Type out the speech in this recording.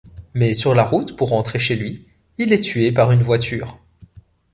Mais sur la route pour rentrer chez lui, il est tué par une voiture...